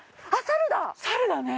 サルだね。